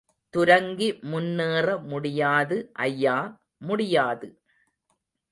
துரங்கி முன்னேற முடியாது ஐயா, முடியாது!